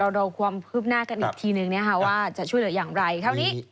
เรารอความคืบหน้ากันอีกทีนึงนะคะว่าจะช่วยเหลืออย่างไรเท่านี้